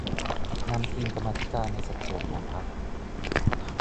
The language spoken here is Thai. นำทีมกรรมาธิการในสัดส่วนของพรรค